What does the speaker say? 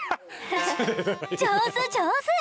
上手上手！